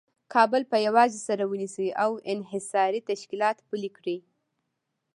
کابل په یوازې سر ونیسي او انحصاري تشکیلات پلي کړي.